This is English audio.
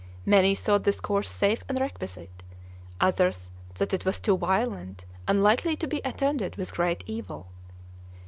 Many thought this course safe and requisite; others, that it was too violent, and likely to be attended with great evil.